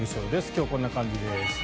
今日こんな感じです。